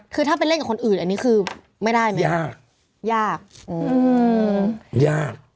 คือถ้าไปเล่นกับคนอื่นอันนี้คือไม่ได้ไหมยากยากอืมยาก